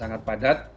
dan sangat padat